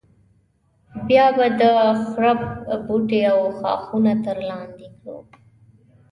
بیا به د خرپ بوټي او ښاخونه تر لاندې کړو.